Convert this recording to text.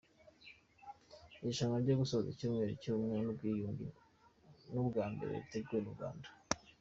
Irushanwa ryo gusoza ‘Icyumweru cy’Ubumwe n’Ubwiyunge’ ni ubwa mbere riteguwe mu Rwanda.